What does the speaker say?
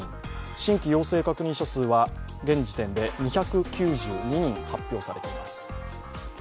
新規陽性確認者数は現時点で２９２人発表されています。